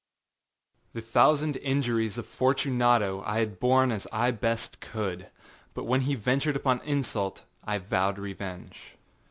The thousand injuries of Fortunato I had borne as I best could; but when he ventured upon insult, I vowed revenge.